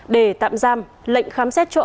để tạm giam lệnh khám xét chỗ